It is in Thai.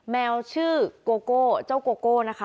แมวชื่อโกโก้เจ้าโกโก้นะคะ